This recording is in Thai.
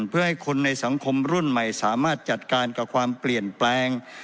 เพื่อให้คนในสังคมรุ่นใหม่สามารถจัดการกับความเปลี่ยนแปลง